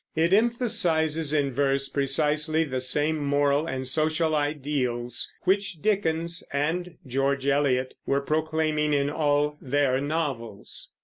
It emphasizes in verse precisely the same moral and social ideals which Dickens and George Eliot were proclaiming in all their novels.